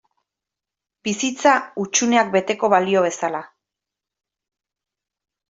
Bizitza, hutsuneak beteko balio bezala.